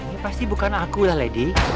ya pasti bukan akulah lady